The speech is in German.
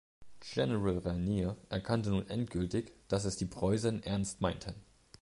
General Reynier erkannte nun endgültig, dass es die Preußen ernst meinten.